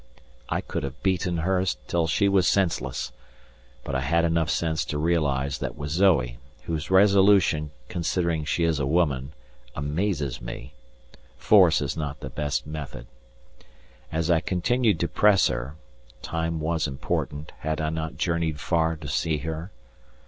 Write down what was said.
I could have beaten her till she was senseless, but I had enough sense to realize that with Zoe, whose resolution, considering she is a woman, amazes me, force is not the best method. As I continued to press her (time was important: had I not journeyed far to see her?)